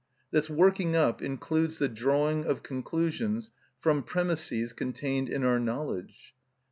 This working up includes the drawing of conclusions from premisses contained in our knowledge.